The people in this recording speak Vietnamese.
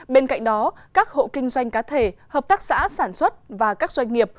bên cạnh đó các hộ kinh doanh cá thể hợp tác xã sản xuất và các doanh nghiệp